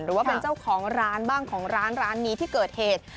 หรือว่าเป็นเจ้าของร้านบ้างของร้านร้านนี้ที่เกิดเหตุ